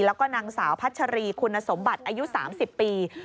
แล้วก็นางสาวพัชรีคุณสมบัติอายุ๓๐ปี